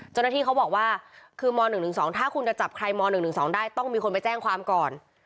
เจ้าหน้าที่เขาบอกว่าคือม๑๑๒ถ้าคุณจะจับใครม๑๑๒ได้ต้องมีคนไปแจ้งความก่อน